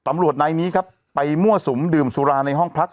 ตำรวจนายนี้ครับไปมั่วสุมดื่มสุราในห้องพัก